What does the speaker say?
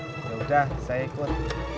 yaudah saya ikut